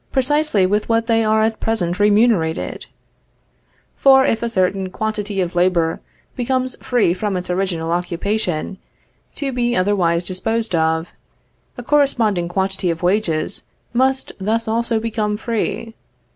Precisely with what they are at present remunerated. For if a certain quantity of labor becomes free from its original occupation, to be otherwise disposed of, a corresponding quantity of wages must thus also become free.